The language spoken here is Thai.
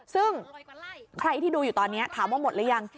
ซึ่งใครที่ดูอยู่ตอนนี้ถามว่าหมดหรือยัง